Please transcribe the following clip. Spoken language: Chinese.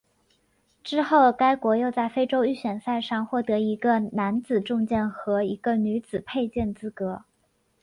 之后该国又在非洲预选赛上获得一个男子重剑和一个女子佩剑资格。